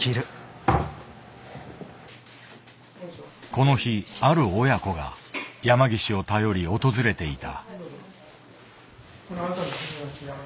この日ある親子が山岸を頼り訪れていた。